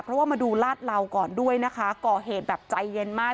เพราะว่ามาดูลาดเหลาก่อนด้วยนะคะก่อเหตุแบบใจเย็นมาก